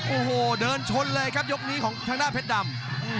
โอ้โหเดินชนเลยครับยกนี้ของทางด้านเพชรดำ